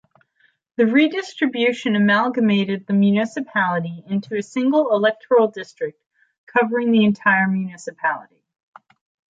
The re-distribution amalgamated the municipality into a single electoral district covering the entire municipality.